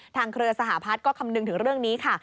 เครือสหพัฒน์ก็คำนึงถึงเรื่องนี้ค่ะ